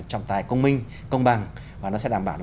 trọng tài công minh công bằng và nó sẽ đảm bảo